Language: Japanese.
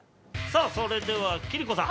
さあそれでは貴理子さん。